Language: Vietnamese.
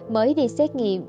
mới đi xét nghiệm